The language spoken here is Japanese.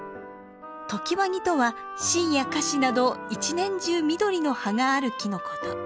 常磐木とはシイやカシなど一年中緑の葉がある木のこと。